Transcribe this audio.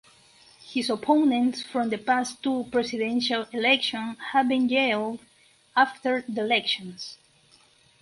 His opponents from the past two presidential elections have been jailed after the elections.